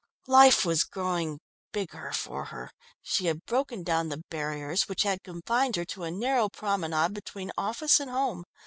Life was growing bigger for her. She had broken down the barriers which had confined her to a narrow promenade between office and home.